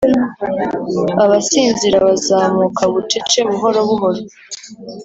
abasinzira bazamuka bucece. buhoro buhoro